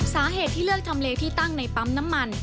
สาเหตุที่เลือกทำเลที่ตั้งในปั๊มน้ำมัน